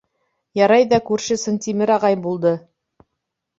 — Ярай ҙа күрше Сынтимер ағай булды.